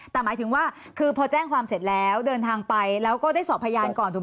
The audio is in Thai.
หมายถึงว่าพอแจ้งความเศรษฐแล้วเดินทางไปแล้วก็ได้สอบพยานก่อน